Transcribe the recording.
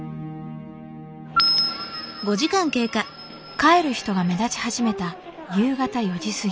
帰る人が目立ち始めた夕方４時過ぎ。